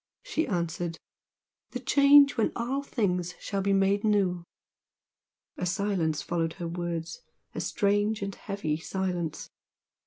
she answered "The Change when all things shall be made new!" A silence followed her words, a strange and heavy silence.